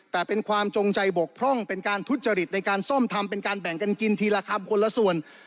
แต่เป็นความจงใจบกพร่องเป็นการทุจริตในการซ่อมทำเป็นการแบ่งกันกินทีละคำคนละส่วน